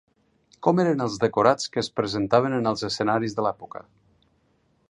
Com eren els decorats que es presentaven en els escenaris de l'època?